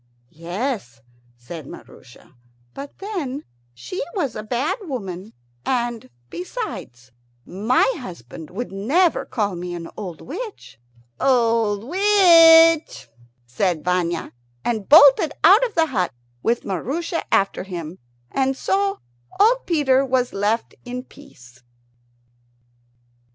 "Yes," said Maroosia, "but then she was a bad woman; and besides, my husband would never call me an old witch." "Old witch!" said Vanya, and bolted out of the hut with Maroosia after him; and so old Peter was left in peace.